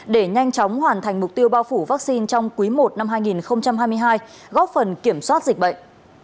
để nhanh chóng hoàn thành mục tiêu bao phủ vaccine trong quý i năm hai nghìn hai mươi hai góp phần kiểm soát dịch bệnh